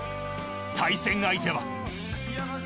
対戦相手は。